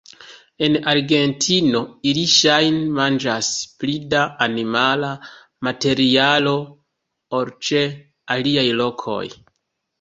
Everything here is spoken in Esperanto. En Argentino ili ŝajne manĝas pli da animala materialo ol ĉe aliaj lokoj.